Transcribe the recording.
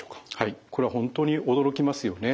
これは本当に驚きますよね。